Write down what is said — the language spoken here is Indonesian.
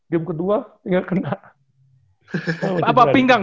game kedua tinggal kena